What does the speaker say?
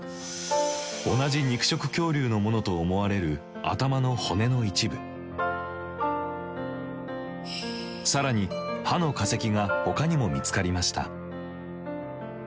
同じ肉食恐竜のものと思われる更に歯の化石がほかにも見つかりました。